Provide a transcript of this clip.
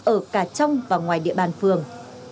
ở cả trong và ngoài địa bàn phường